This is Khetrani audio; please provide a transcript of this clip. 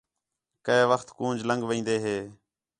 کَئے وخت کونج لڳ وین٘دے ہِے